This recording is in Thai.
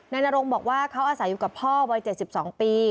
นรงบอกว่าเขาอาศัยอยู่กับพ่อวัย๗๒ปี